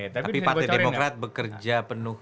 tapi partai demokrat bekerja